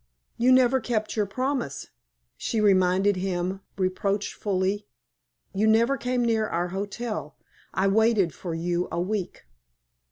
"You never kept your promise," she reminded him, reproachfully. "You never came near our hotel. I waited for you a week."